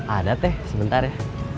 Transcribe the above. ada teh sebentar ya